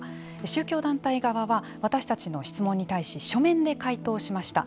宗教団体側は私たちの質問に対し書面で回答しました。